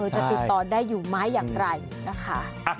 จะติดต่อได้อยู่ไหมอย่างไรนะคะ